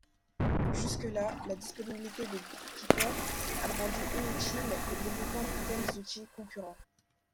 Jusque-là, la disponibilité de BitKeeper avait rendu inutile le développement de tels outils concurrents.